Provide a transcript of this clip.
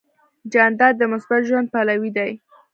جانداد د مثبت ژوند پلوی دی.